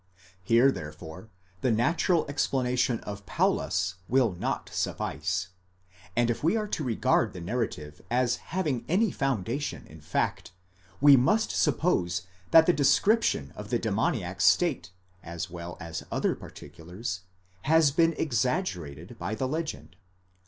Here therefore the natural explana~ tion of Paulus will not suffice, and if we are to regard the narrative as having any foundation in fact, we must suppose that the description of the demoniac's state, as well as other particulars, has been exaggerated by the legend.